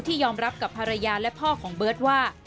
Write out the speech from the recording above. ยอมรับกับภรรยาและพ่อของเบิร์ตว่า